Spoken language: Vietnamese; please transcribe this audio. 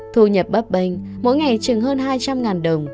thu nhập bấp bênh mỗi ngày chừng hơn hai trăm linh đồng